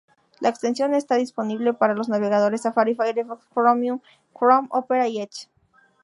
La extensión está disponible para los navegadores Safari, Firefox, Chromium, Chrome, Opera y Edge.